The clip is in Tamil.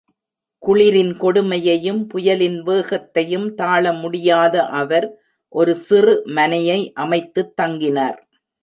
குளிரின் கொடுமையையும், புயலின் வேகத்தையும் தாள முடியாத அவர் ஒரு சிறு மனையை அமைத்துத் தங்கினார்.